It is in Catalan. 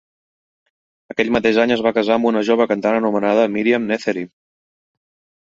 Aquell mateix any es va casar amb una jove cantant anomenada Miriam Nethery.